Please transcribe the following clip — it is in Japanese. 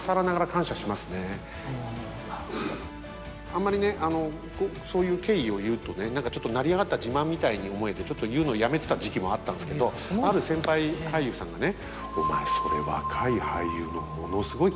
あんまりねそういう経緯を言うとね何かちょっと成り上がった自慢みたいに思えてちょっと言うのをやめてた時期もあったんですけどある先輩俳優さんがね